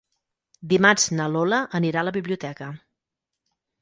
Dimarts na Lola anirà a la biblioteca.